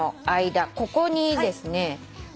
ここにですね